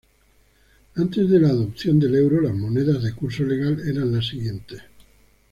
Antes de la adopción del euro las monedas de curso legal eran las siguientes.